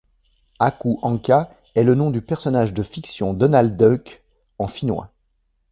Aku Ankka est le nom du personnage de fiction Donald Duck en finnois.